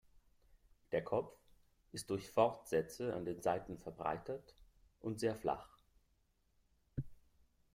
Der Kopf ist durch Fortsätze an den Seiten verbreitert und sehr flach.